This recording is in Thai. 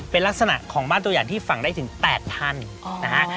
เป็นลักษณะของบ้านตัวอย่างที่ฝังได้ถึง๘ท่านนะฮะ